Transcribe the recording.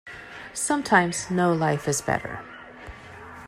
Sometimes, no life is better.